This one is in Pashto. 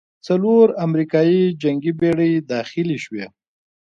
څلور امریکايي جنګي بېړۍ داخلې شوې.